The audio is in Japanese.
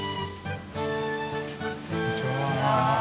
こんにちは。